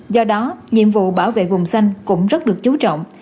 do đó nhiệm vụ bảo vệ vùng xanh cũng rất được chú trọng